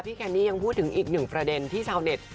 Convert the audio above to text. แคนนี่ยังพูดถึงอีกหนึ่งประเด็นที่ชาวเน็ต